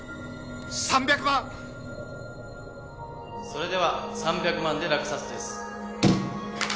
それでは３００万で落札です。